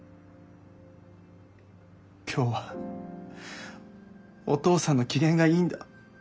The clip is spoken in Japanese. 「今日はお父さんの機嫌がいいんだ。